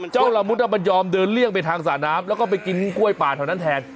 ละมุดมันยอมเดินเลี่ยงไปทางสระน้ำแล้วก็ไปกินกล้วยป่าเท่านั้นแทน